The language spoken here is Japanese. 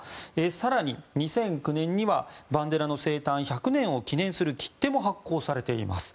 更に、２００９年にはバンデラの生誕１００年を記念する切手も発行されています。